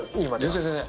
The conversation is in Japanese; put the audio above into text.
全然全然。